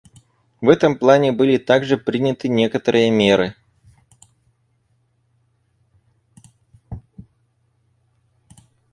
В этом плане были также приняты некоторые меры.